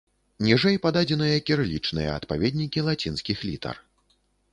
Ніжэй пададзеныя кірылічныя адпаведнікі лацінскіх літар.